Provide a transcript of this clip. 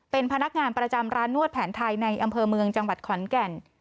เป็นพนักงานประจำร้านนวดแผนไทยในอำเภอเมืองจังหวัดขอนแก่น